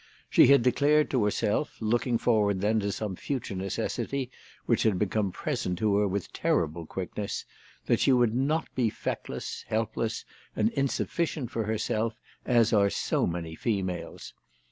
She had declared to herself, looking forward then to some future necessity which had become present to her with terrible quickness, that she would not be feckless, helpless, and insufficient for herself as are so many females.